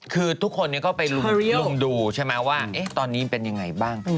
คือทุกคนก็ไปลุมดูใช่ไหมว่าตอนนี้เป็นยังไงบ้าง